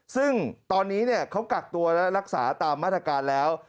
ซึ่งตอนนี้เขากักตัวและรักษาตามมาตรการแล้ว